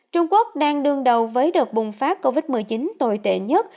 trung quốc đang đương đầu với đợt bùng phát covid một mươi chín tồi tệ nhất